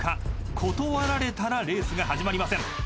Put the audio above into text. ［断られたらレースが始まりません］